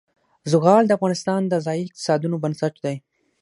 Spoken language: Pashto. زغال د افغانستان د ځایي اقتصادونو بنسټ دی.